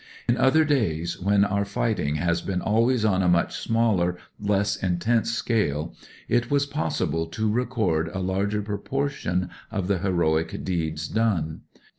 In other days, where our fighting has been always on a much smaller, less intense scale, it was possible to record a larger proportion of the heroic deeds done.